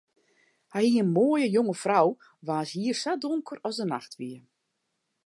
Hy hie in moaie, jonge frou waans hier sa donker as de nacht wie.